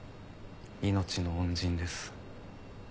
命の恩人です。